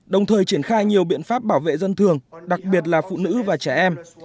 đồng thời triển khai nhiều biện pháp bảo vệ dân thường đặc biệt là phụ nữ và trẻ em